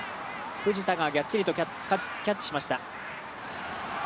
藤田ががっちりとキャッチしました。